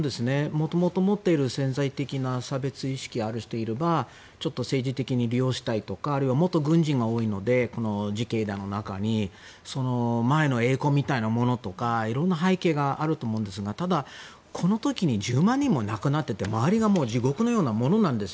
もともと持っている潜在的な差別意識がある人がいればちょっと政治的に利用したいとかあるいは元軍人が多いのでこの自警団の中に前の栄光みたいなものとかいろんな背景があると思うんですがただ、この時に１０万人も亡くなっていて周りが地獄のようなものなんです。